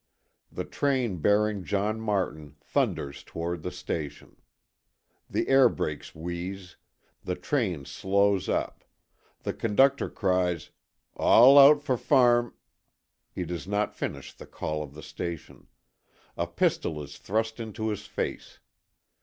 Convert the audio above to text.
The train bearing John Martin thunders toward the station. The air brakes wheeze, the train slows up; the conductor cries "All out for Farm " He does not finish the call of the station. A pistol is thrust into his face.